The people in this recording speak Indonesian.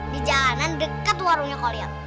di jalanan dekat warungnya kolian